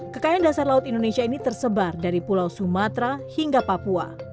kekayaan dasar laut indonesia ini tersebar dari pulau sumatera hingga papua